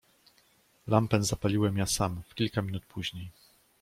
"Lampę zapaliłem ja sam w kilka minut później."